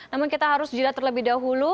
namun kita harus jeda terlebih dahulu